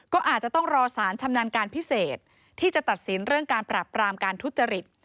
ก็อาจจะต้องรอสารชำนาญการพิเศษที่จะตัดสินเรื่องการปราบปรามการทุจริต